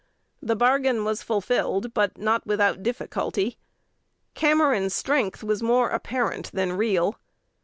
The bargain was fulfilled, but not without difficulty. Cameron's strength was more apparent than real.